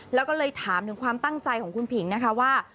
แล้วก็เลยถามถึงความตั้งใจของคุณผิงนะคะว่า